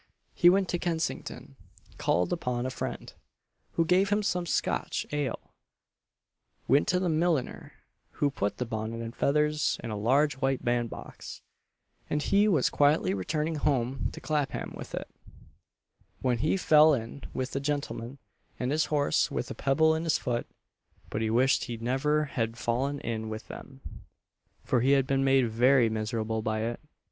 He went to Kensington called upon a friend, who gave him some Scotch ale went to the milliner, who put the bonnet and feathers in a large white band box, and he was quietly returning home to Clapham with it, when he fell in with the gentleman, and his horse with a pebble in his foot: but he wished he never had fallen in with them; for he had been made very miserable by it.